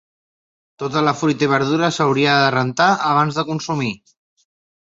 Tota la fruita i verdura s'hauria de rentar abans de consumir.